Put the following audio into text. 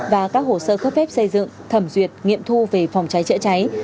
và các hồ sơ cấp phép xây dựng thẩm duyệt nghiệm thu về phòng cháy chữa cháy